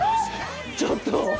ちょっと。